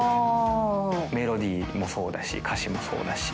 メロディーもそうだし、歌詞もそうだし。